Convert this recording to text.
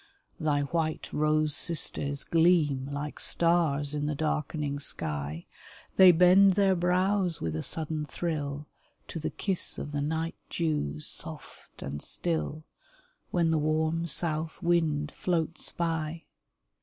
Thy white rose sisters gleam Like stars in the darkening sky ; They bend their brows with a sudden thrill To the kiss of the night dews soft and still, When the warm south wind floats by.